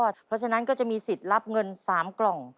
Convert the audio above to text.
เพราะฉะนั้นก็จะมีสิทธิ์รับเงิน๓กล่อง